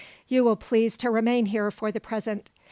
You will please to remain here for the present.